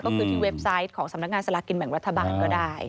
ก็คือที่เว็บไซต์ของสำนักงานสลากินแบ่งรัฐบาลก็ได้